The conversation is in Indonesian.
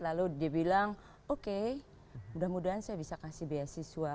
lalu dia bilang oke mudah mudahan saya bisa kasih beasiswa